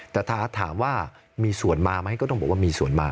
แต่ถ้าถามว่ามีส่วนมาไหมก็ต้องบอกว่ามีส่วนมา